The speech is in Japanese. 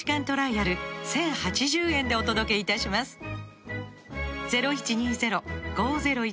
トライアル１０８０円でお届けいたします